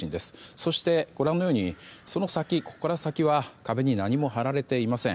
そして、ご覧のようにここから先は壁に何も貼られていません。